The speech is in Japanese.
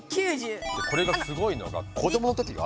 これがすごいのが子どもの時が？